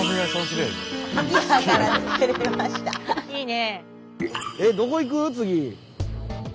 いいね！